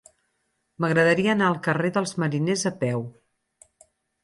M'agradaria anar al carrer dels Mariners a peu.